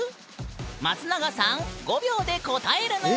松永さん５秒で答えるぬん！